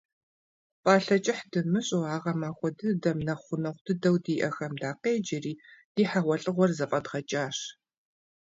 Пӏалъэ кӀыхь дымыщӀу, а гъэмахуэ дыдэм, нэхъ гъунэгъу дыдэу диӏэхэм дакъеджэри, ди хьэгъуэлӏыгъуэр зэфӏэдгъэкӏащ.